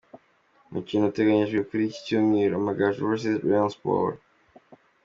Umukino uteganyijwe kuri iki Cyumweru: Amagaju vs Rayon Sports.